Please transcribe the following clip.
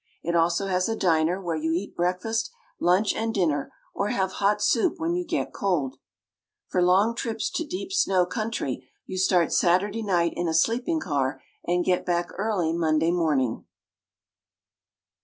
It also has a diner where you eat breakfast, lunch and dinner or have hot soup when you get cold. For long trips to deep snow country, you start Saturday night in a sleeping car and get back early Monday morning.